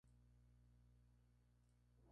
En primavera abundan las precipitaciones.